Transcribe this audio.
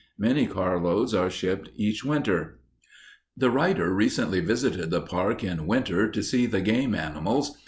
Many carloads are shipped each winter. The writer recently visited the park in winter to see the game animals.